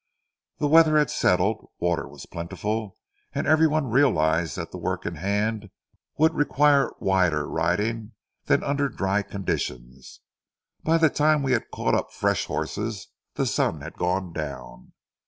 The weather had settled; water was plentiful, and every one realized that the work in hand would require wider riding than under dry conditions. By the time we had caught up fresh horses, the sun had gone down.